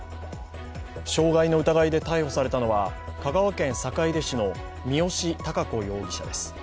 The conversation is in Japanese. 傷害の疑いで逮捕されたのは香川県坂出市の三好貴子容疑者です。